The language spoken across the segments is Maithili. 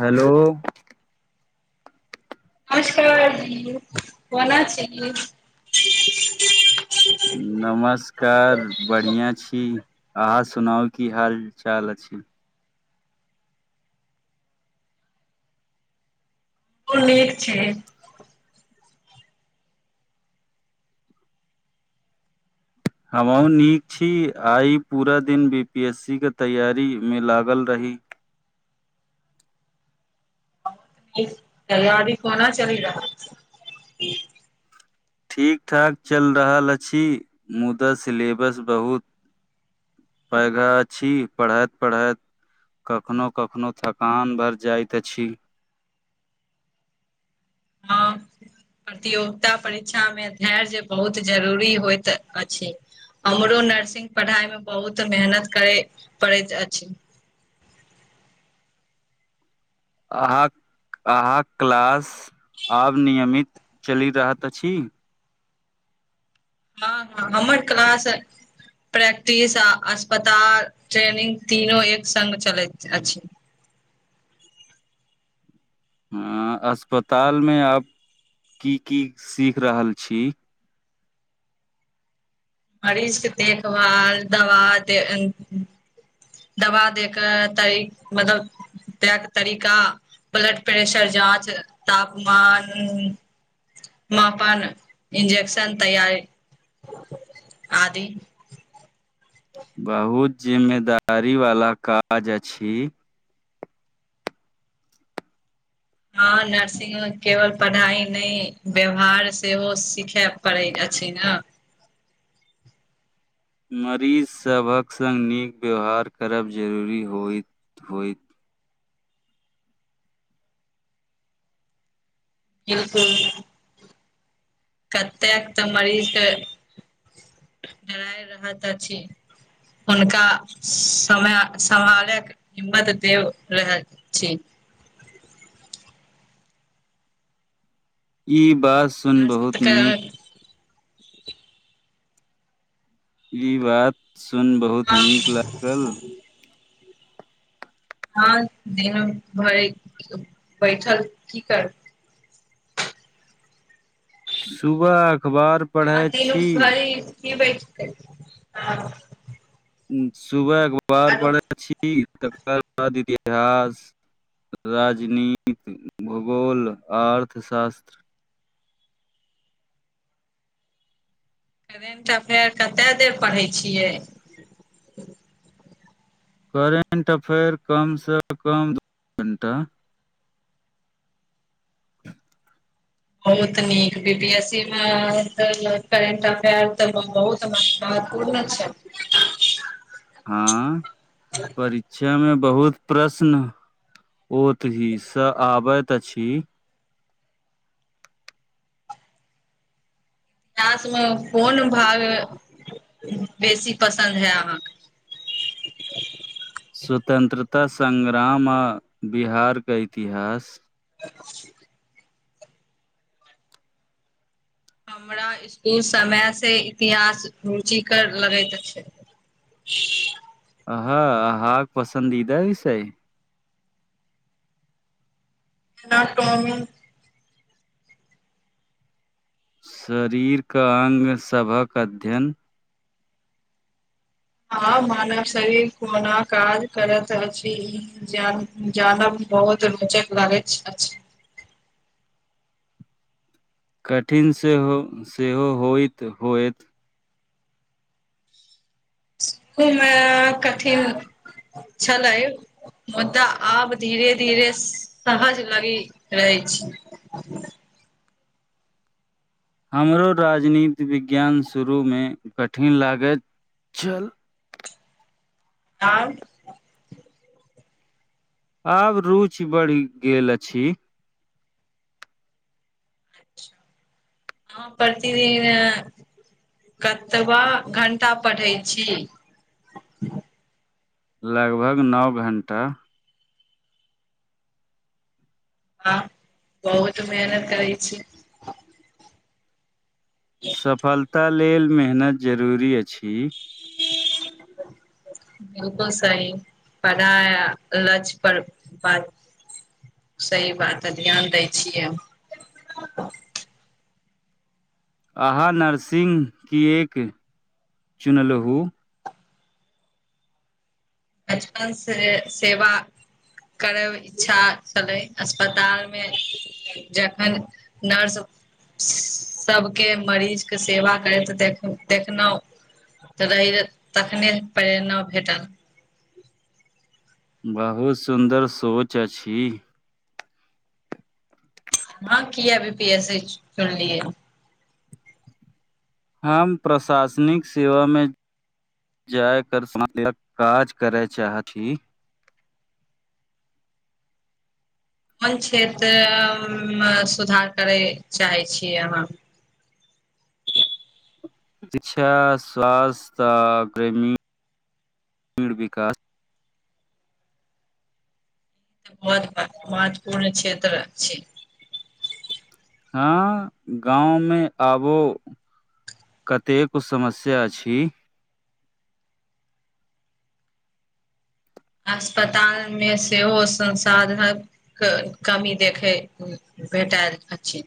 हेलो नमस्कार जी कोना छी नमस् कार बढ़िया छी, आहाॅ सुनाउ की हाल चाल अछि। ओ नीक छी। हमहुँ नीक छी, आइ पूरा दिन बी पी एस सी के तैयारीमे लागल रही [unintelligible] तैयारी कोना चलये अहां के। ठीक -ठाक चलि रहल अछि, मुदा सिलेबस बहुत पैघा अछि पढ़ेत- पढ़ेत कखनो- कखनो, थकान भरि जाइत अछि। हँ प्रतियोगिता परीक्षा मे धैर्य बहुत जरूरी होइत अछि। हमरो नर्सिंग पढ़ाई मे बहुत मेहनत करै पड़ैत अछि। अहाँक - अहाँक क्लास आब नियमित चलि रहत अछि। हँ ह हमर क्लास प्रैक्टिस आ अस्पताल ट्रेनिंग, तीनो एक संघ चलैत अछि। हऽ अस्पतालमे आब की- की सीख रहल छी। मरीजके देखभाल दवा दे दवा दैके तइ मतलब दैय के तरिका, ब्लड प्रेशर जाँच, तापमान मापन, इंजेेक्शन तैयार, आदि। बहुत जिम्मेदारी वाला काज अछि। हँ, नर्सिंग मे केवल पढ़ाई नहि, व्यवहार सेहो सिखय पड़ै अछि ना। मरीजसभक सङ्ग नीक व्यवहार करब जरूरी होइत, होइत। 'बिलकुल'! कतेक तऽ मरीजके डराय रहैत अछि। हुनका समय सम्हालैक हिम्मत दैब रहैत छी। ई बात सुइन नर्स बहुत के नीक। ई बात सुन बहुत नीक लागल। हँ दिन भर बैठल की करबै। सुबह अखबार हँ पढ़ै तीनू छी घरी के बैैठतै ह। सुबह अखबार आरो पढै छी, तकर बाद इतिहास। राजनीति, भूगोल, अर्थशास्त्र। करेंट अफेयर कते देर पढ़ै छियै। करेंट अफेयर कम-सँ-कम दू घण्टा। ह। बहुत नीक, बी पी एस सी मे, करेंट अफेयर तऽ बहुत सब महत्वपूर्ण छै। हँ। ह। परीक्षा मे बहुत प्रश्न ओतहि सँ आबैत अछि। इतिहास मे कोन भाग बेसी पसन्द है अहाँके? स्वतंत्रता संग्राम, आ बिहारके इतिहास। [inaudible] हमरा स्कूल समयसँ, इतिहास रुचिकर लगैत अछि। [unintelligible] आहह, आहाँक पसन्दीदा विषय अय। जेना टॉमी। शरीरके अङ्ग, सभक अध्ययन। हँ, मानव शरीर कोना काज करत अछी। जान- जानब बहुत रोचक लागैत अछी। कठिन सेहो, सेहो होइत, होएत। ओइमे कठिन छलै। मुदा आब धीरे -धीरे सहज लगी रहैछ। हमरो राजनीति विज्ञान शुरूमे कठिन लागैत छल। आब। आब रुचि बढ़ि गेल अछी। अच्छा! अहाँ प्रतिदिन कतबा घंटा पढ़ै छी? लगभग नौ घण्टा। वाह! बहुत मेहनत करै छी। सफलता लेल मेहनत जरूरी अछी। ह [inaudible] बिल्कुल सही पराया लक्ष पर बात सही बात है ध्यान दै छियै, हम अहाँ नर्सिंग किएक चुनलहु बचपन से सेवा करब इच्छा छलै, अस्पतालमे जखन नर्स श सभके मरीजके सेवा करैत देख देखलहुँ, तरैअ तखने प्रेरणा भेटल बहुत सुन्दर सोच अछी। अहाँ किए वीपीएससी चु चुनलिए। हम प्रशासनिक सेवामे जाय कर सम काज करै चाहथि ही अपन क्षेत्र अ म सुधार करए चाहै छियै, अहाँ शिक्षा स्वास्थ्य आ ग्रेमी मीण विकास बहुत महत्वपूर्ण क्षेत्र छी। हँ गाँवमे आबो कतेको समस्या छी, अस्पताल मे सेहो संसाधनक क कमी देखै भेटाएल अछि,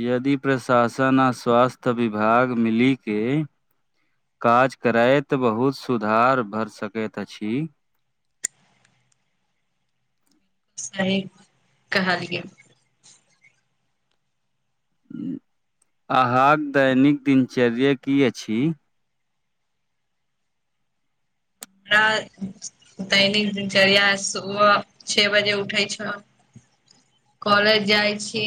य यदि प्रशासन आ स्वास्थ्य विभाग मिली के काज करैत बहुत सुधार भर सकैत अछी, सही कहलिअइ। अहाँक दैनिक दिनचर्या की अछी, [unintelligible] नई किछ दैनिक दिनचर्या सुबह छे बजे उठै छ। कॉलेज जाइ छी,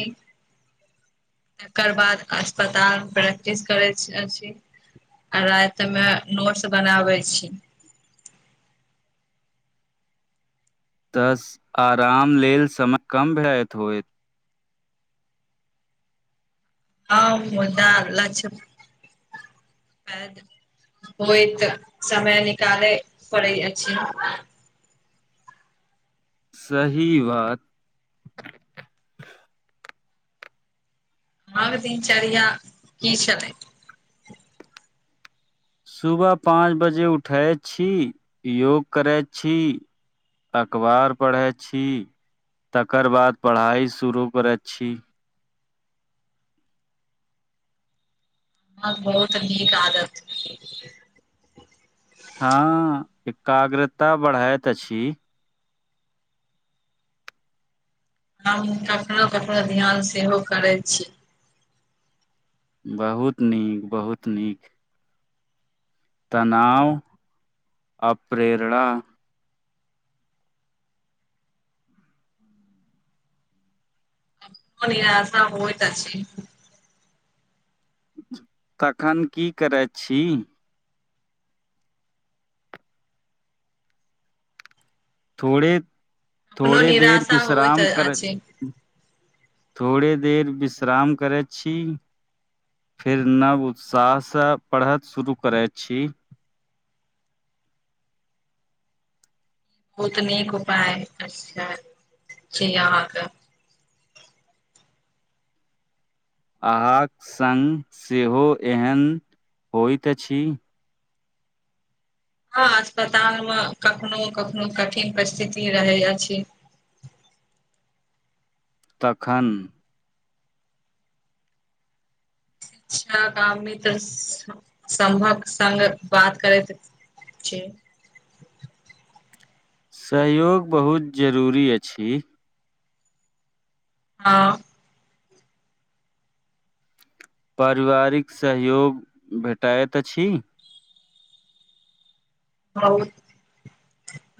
तेकर बाद अस्पताल प्रैक्टिस करैत जाइ छी, आ राइत मे नोट्स बनाबै छी। तस आराम लेल समय कम भेटैत होइत, [unintelligible] होइत समय निकालै पड़ै अछि। सही बात आर दिनचर्या की छथिन, सुबह पाँच बजे उठै छी, योग करै छी, अखबार पढ़ै छी, तकर बाद पढ़ाई शुरू करे छी, अहा क बहुत नीक आदत छै, हँ एकाग्रता बढ़ैएत अछि। हम हिनका साउस पर ध्यान सेहो करैत छी, बहुत नीक, बहुत नीक तनाव आ प्रेरणा परेया आसा होइत अछि, तखन की करै छी, थोड़े कखनो -थोड़े देर निराशा होइत विश्राम करऽ, अछि थोड़े देर विश्राम करै छि। फेर नव उत्साहसँ पढ़त शुरू करे छि। बहुत नीक उपाय अच्छा छि अहाँके- - अहाँक सङ्ग सेहो एहन होइत अछि। हँ अस्पताल मे कखनो कखनो कठिन परिथिति रहे अछि। तखन- - पिछला गाम में त सा समभक सङग बात करैत। चे- - सहयोग बहुत जरूरी अछि। हँ- - पारिवारिक सहयोग भेटैत अछि- - बहुत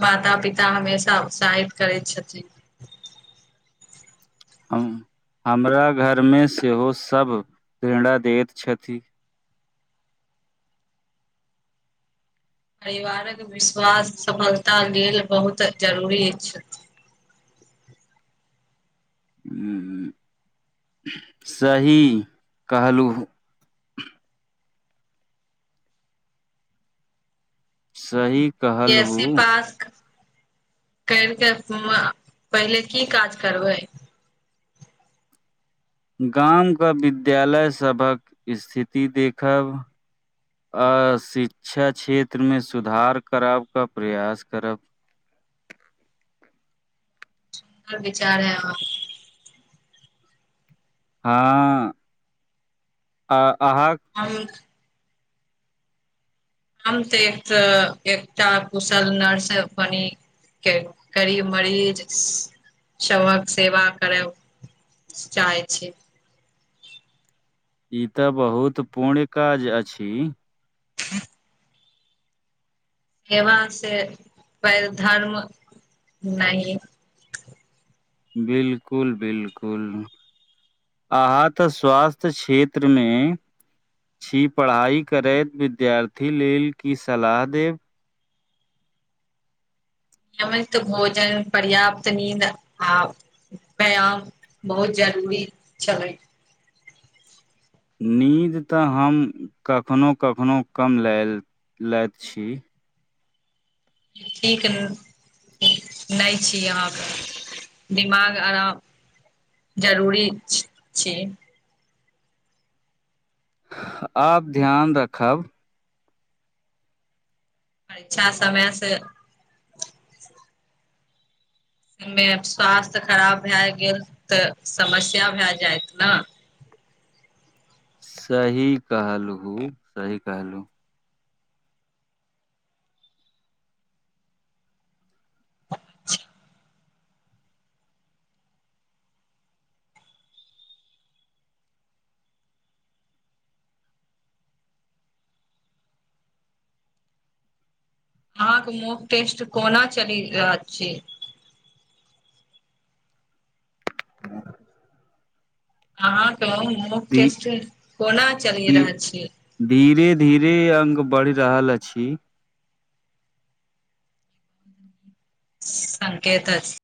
माता -पिता हमेशा उत्साहित करैत छथि। हम हमरा घरमे सेहो सभ पिडा दैत छथि। परिवारक विश्वास सफलतााक लेल बहुत जरूरी अछि। उउ सही कहलहुँ- - सही- - कैएसी पास- - केल के पहिले की काज करबै। गामके विद्यालय सभक स्थिति देखब। आ शिक्षा क्षेत्रमे सुधार कराबके प्रयास करब। के बिचार ऐ अहा - - हँ अ अहाँ- - हरेक - - हम तऽ एकतऽ एकटा कुशल नर्स बनि। के करीब मरीज सभक सेवा करब। चाहै छी। ई तऽ बहुत पूण काज अछि। केवाक से पैघ धर्म नहि- - बिलकुल- बिलकुल - - अहाँ तऽ स्वास्थ्य क्षेत्रमे - - छी पढ़ाई करैत विद्यार्थी लेल की सलाह देब। निमित भोजन पर्याप्त नीन्द आ- - व्यायाम बहुत जरूरी छलैई। नींद तऽ हम कखनहु कखनो कम ल लैछी। ठीक न - - नहि छी अहाँके दिमाग आराम- - जरूरी छछी- - आब ध्यान रखब। परिक्षा समय से- - मे स्वास्थ खराब भए गेल तऽ समस्या भए जायत न। सही कहलू -सही कहलू - - अहाँके मोक टेस्ट कोना चलि रह अछि। [inaudible] अहाँ के मुह धी- टेस्ट कोना चलि रहल अछि। धीरे-धीरे अंग बड़ि रहल अछि। [inaudible] संकेत अछी।